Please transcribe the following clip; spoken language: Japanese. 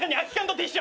ティッシュ